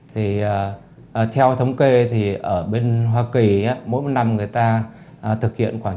thì theo thống kê thì ở bên hoa kỳ mỗi một năm người ta thực hiện khoảng